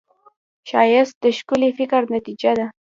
ښایست د ښکلي فکر نتیجه ده